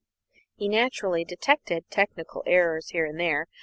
He naturally detected technical errors here and there.